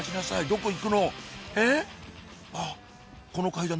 どこ行くの？